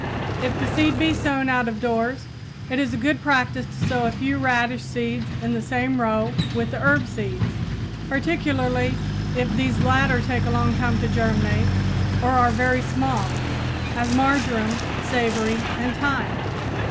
If the seed be sown out of doors, it is a good practice to sow a few radish seeds in the same row with the herb seeds, particularly if these latter take a long time to germinate or are very small, as marjoram, savory and thyme.